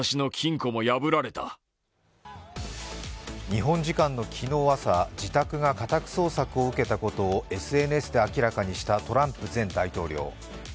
日本時間の昨日朝、自宅が家宅捜索を受けたことをＳＮＳで明らかにしたトランプ前大統領。